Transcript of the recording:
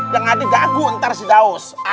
jangan digaguh ntar si daus